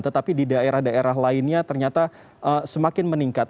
tetapi di daerah daerah lainnya ternyata semakin meningkat